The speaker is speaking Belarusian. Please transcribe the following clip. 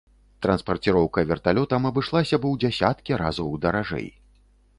Транспарціроўка верталётам абышлася б у дзясяткі разоў даражэй.